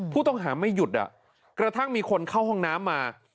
ผู้ต้องหาไม่หยุดกระทั่งมีคนเข้าห้องน้ำมา